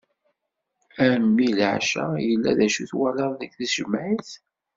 A mmi leɛca! yella d acu twalaḍ deg tejmaɛt?